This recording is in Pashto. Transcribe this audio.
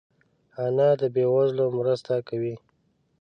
انا د بې وزلو مرسته کوي